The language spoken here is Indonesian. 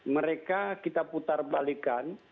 mereka kita putarbalikan